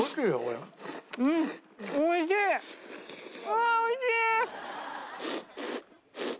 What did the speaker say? ああおいしい！